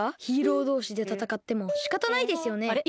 ヒーローどうしでたたかってもしかたないですよね？